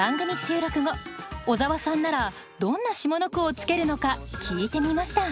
小沢さんならどんな下の句をつけるのか聞いてみました。